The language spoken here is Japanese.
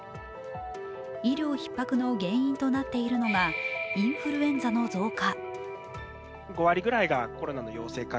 医療ひっ迫の原因となっているのがインフルエンザの増加。